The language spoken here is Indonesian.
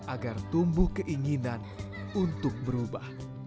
agar tumbuh keinginan untuk berubah